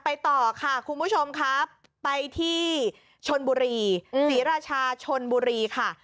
ต่อค่ะคุณผู้ชมครับไปที่ชนบุรีศรีราชาชนบุรีค่ะ